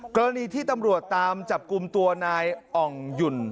กรณีที่ตำรวจตามจับกลุ่มตัวนายอ่องหยุ่น